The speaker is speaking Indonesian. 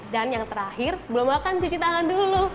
dan yang terakhir sebelum makan cuci tangan dulu